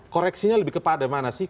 koreksinya lebih kepada mana sih